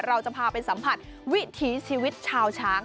เราจะพาไปสัมผัสวิถีชีวิตชาวช้าง